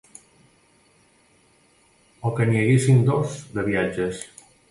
O que n'hi haguessin dos, de viatges.